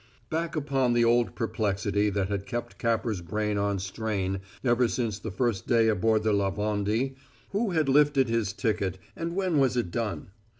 Back upon the old perplexity that had kept Capper's brain on strain ever since the first day aboard La Vendée who had lifted his ticket, and when was it done?